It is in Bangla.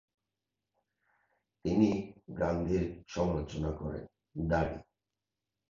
তিনি গান্ধীর সমালোচনা করেন।